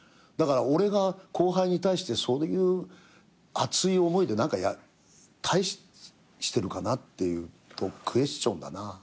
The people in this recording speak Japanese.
だから俺が後輩に対してそういう熱い思いで何か対してるかなっていうとクエスチョンだな。